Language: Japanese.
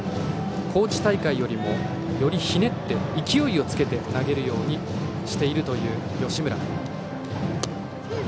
高知大会よりもよりひねって、勢いをつけて投げるようにしているという吉村。